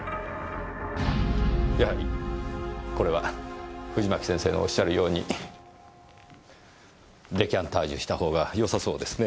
やはりこれは藤巻先生のおっしゃるようにデカンタージュしたほうがよさそうですね。